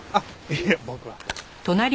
いえ僕は。